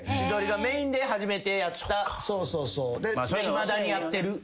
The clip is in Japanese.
いまだにやってる。